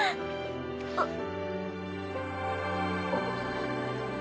あっ。